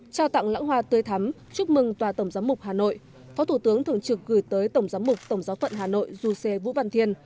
trao tặng lãng hoa tươi thắm chúc mừng tòa tổng giám mục hà nội phó thủ tướng thường trực gửi tới tổng giám mục tổng giáo phận hà nội du sê vũ văn thiên